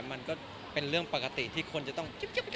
มันก็เป็นเรื่องปกติที่คนจะต้องจิ๊บ